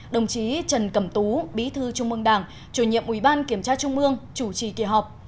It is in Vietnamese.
đồng chí trần cẩm tú bí thư trung mương đảng chủ nhiệm ủy ban kiểm tra trung ương chủ trì kỳ họp